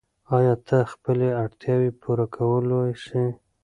آیا ته خپلې اړتیاوې پوره کولای سې؟